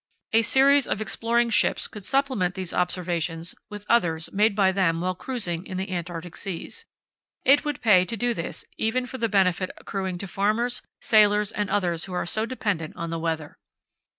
A series of exploring ships could supplement these observations with others made by them while cruising in the Antarctic Seas. It would pay to do this, even for the benefit accruing to farmers, sailors, and others who are so dependent on the weather.